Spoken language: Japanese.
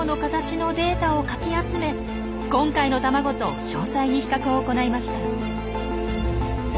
今回の卵と詳細に比較を行いました。